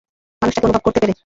মানুষটাকে অনুভব করতে পেরে।